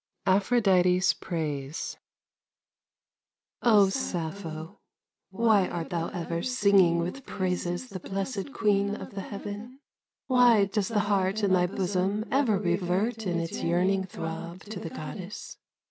APHRODITE'S PRAISE O Sappho, why art thou ever Singing with praises the blessed Queen of the heaven? Why does the heart in thy bosom Ever revert in its yearning Throb to the Goddess?